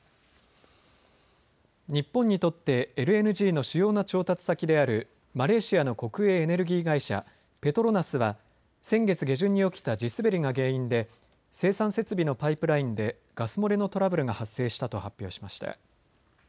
日本にとってＬＮＧの主要な調達先であるマレーシアの国営エネルギー会社、ペトロナスは先月下旬に起きた地滑りが原因で生産設備のパイプラインでガス漏れのトラブルが発生したと発表しました。